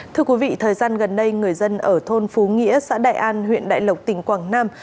thưa quý vị thời gian gần đây người dân ở thôn phú nghĩa xã đại an huyện đại lộc tỉnh quảng nam